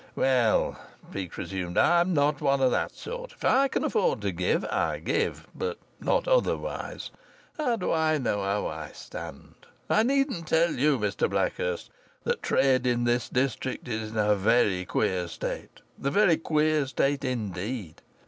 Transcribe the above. "Well," Peake resumed, "I'm not one of that sort. If I can afford to give, I give; but not otherwise. How do I know how I stand? I needn't tell you, Mr Blackhurst, that trade in this district is in a very queer state a very queer state indeed.